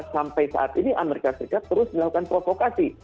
sampai saat ini amerika serikat terus melakukan provokasi